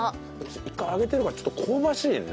一回揚げてるからちょっと香ばしいね。